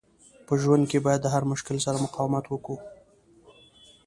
په ژوند کښي باید د هر مشکل سره مقاومت وکو.